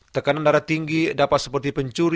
tekanan darah tinggi dapat seperti pencuri